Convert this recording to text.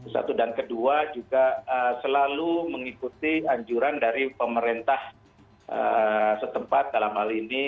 satu dan kedua juga selalu mengikuti anjuran dari pemerintah setempat dalam hal ini